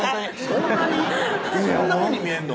そんなふうに見えんの？